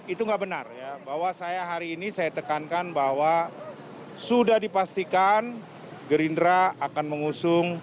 itu nggak benar ya bahwa saya hari ini saya tekankan bahwa sudah dipastikan gerindra akan mengusung